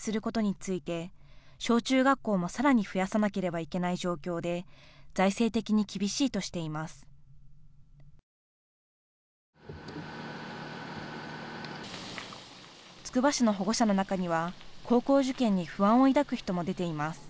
つくば市の保護者の中には高校受験に不安を抱く人も出ています。